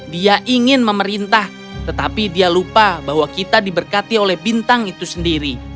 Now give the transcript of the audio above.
dia ingin memerintah tetapi dia lupa bahwa kita diberkati oleh bintang itu sendiri